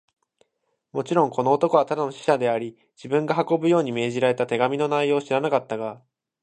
もちろん、この男はただの使者であり、自分が運ぶように命じられた手紙の内容を知らなかったが、